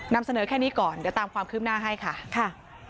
นำเสนอแค่นี้ก่อนเดี๋ยวตามความคืบหน้าให้ค่ะ